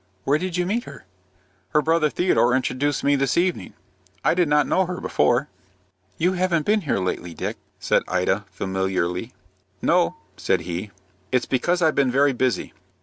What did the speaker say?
"Where did you meet her?" "Her brother Theodore introduced me this evening. I did not know her before." "You haven't been here lately, Dick," said Ida, familiarly. "No," said he. "It's because I've been very busy."